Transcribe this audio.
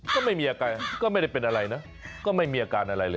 ก็ไม่มีอาการก็ไม่ได้เป็นอะไรนะก็ไม่มีอาการอะไรเลย